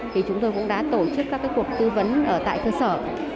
thì chúng tôi cũng đã tổ chức các cuộc tư vấn ở tại cơ sở